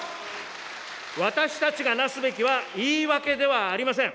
私たちがなすべきは言い訳ではありません。